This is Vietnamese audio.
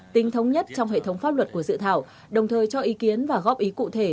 tính thống nhất trong hệ thống pháp luật của dự thảo đồng thời cho ý kiến và góp ý cụ thể